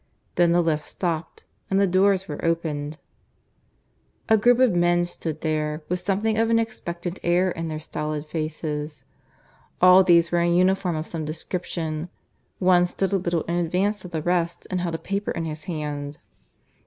Then the lift stopped and the doors were opened. A group of men stood there, with something of an expectant air in their stolid faces. All these were in uniform of some description; one stood a little in advance of the rest and held a paper in his hand.